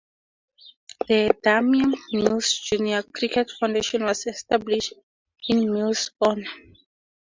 The Damian Mills Junior Cricket Foundation was established in Mills' honor.